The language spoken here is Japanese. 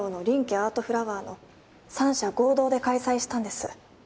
アートフラワーの三者合同で開催したんです。